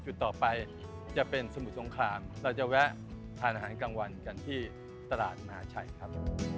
จุดต่อไปจะเป็นสมุทรสงครามเราจะแวะทานอาหารกลางวันกันที่ตลาดมหาชัยครับ